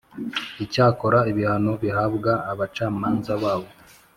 Icyakora ibihano bihabwa abacamanza babo